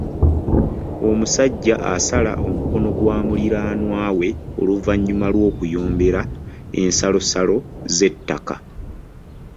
Omusajja asala omukono gwa muliraanwa we oluvannyuma lw'okuyombera ensalosalo z'ettaka.